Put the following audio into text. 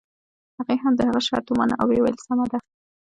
هغې هم د هغه شرط ومانه او ويې ويل سمه ده.